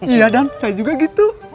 iya dan saya juga gitu